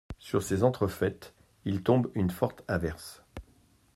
Sur ces entrefaites, il tombe une forte averse.